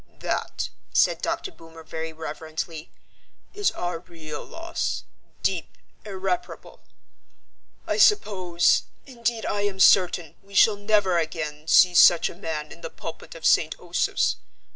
"That," said Dr. Boomer very reverently, "is our real loss, deep, irreparable. I suppose, indeed I am certain, we shall never again see such a man in the pulpit of St. Osoph's.